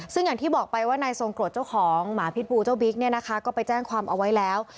ซึ่งอย่างที่บอกไปว่านายทรงกรดเจ้าของหมาพิษบูเจ้าบิ๊กเนี่ยนะคะก็ไปแจ้งความเอาไว้แล้ว